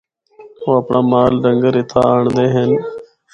او اپنڑا مال ڈنگر اِتھا آنڑدے ہن۔